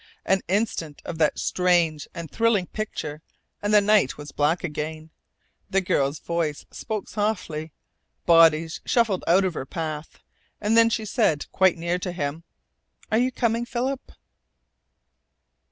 An instant of that strange and thrilling picture, and the night was black again. The girl's voice spoke softly. Bodies shuffled out of her path. And then she said, quite near to him; "Are you coming, Philip?"